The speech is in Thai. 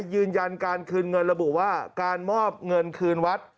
ยืนยันการคืนเงินระบุว่าการมอบเงินคืนวัด